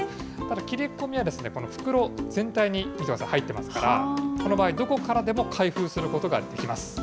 ただ切れ込みはですね、この袋全体に、見てください、入ってますから、この場合、どこからでも開封することができます。